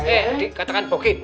eh dikatakan bogi